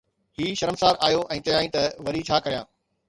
هي شرمسار آيو ۽ چيائين ته وري ڇا ڪريان؟